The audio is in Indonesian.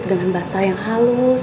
dengan bahasa yang halus